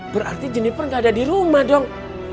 berarti jennifer nggak ada di rumah dong